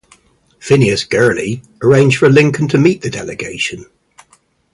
Phineas Gurley, arranged for Lincoln to meet the delegation.